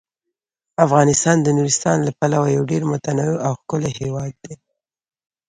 افغانستان د نورستان له پلوه یو ډیر متنوع او ښکلی هیواد دی.